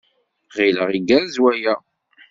Ɣileɣ igerrez waya.